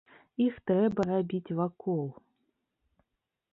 Іх трэба рабіць вакол.